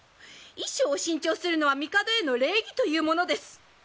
衣装を新調するのは帝への礼儀というものです。